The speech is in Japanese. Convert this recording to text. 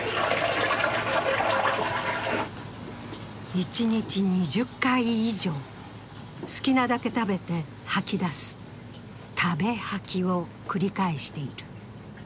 一日２０回以上、好きなだけ食べて吐き出す、食べ吐きを繰り返している。